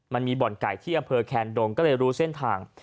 มันมีบ่อนไก่ที่อำเภอแคนดงก็เลยรู้เส้นทาง